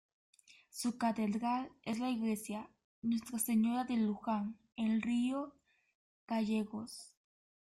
Su catedral es la iglesia "Nuestra Señora de Lujan" en Río Gallegos.